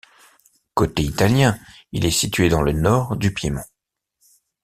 Côté italien, il est situé dans le nord du Piémont.